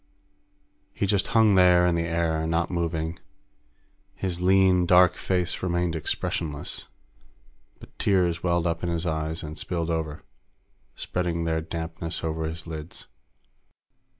He just hung there in the air, not moving. His lean, dark face remained expressionless, but tears welled up in his eyes and spilled over, spreading their dampness over his lids.